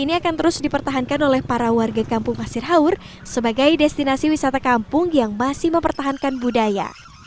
ini akan terus dipertahankan oleh para warga kampung pasir haur sebagai destinasi wisata kampung yang masih mempertahankan budaya